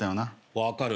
分かる。